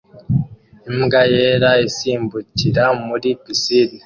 Imbwa yera isimbukira muri pisine